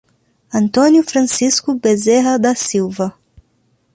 Antônio Francisco Bezerra da Silva